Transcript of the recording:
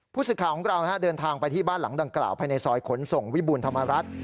ผู้สื่อข่าวของเราเดินทางไปที่บ้านหลังดังกล่าวภายในซอยขนส่งวิบูรณธรรมรัฐ